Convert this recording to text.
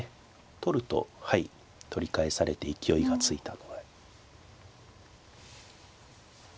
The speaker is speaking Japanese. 取るとはい取り返されて勢いがついたので。